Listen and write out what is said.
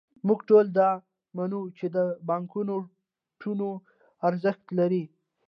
موږ ټول دا منو، چې دا بانکنوټونه ارزښت لري.